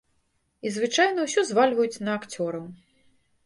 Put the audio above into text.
І звычайна ўсё звальваюць на акцёраў.